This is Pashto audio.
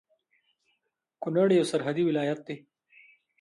کونړ يو سرحدي ولايت دی